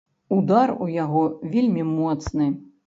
Удар у яго вельмі моцны.